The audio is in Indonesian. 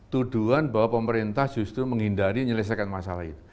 tuduhan bahwa pemerintah justru menghindari menyelesaikan masalah itu